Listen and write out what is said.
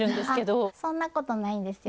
そんなことないんですよ。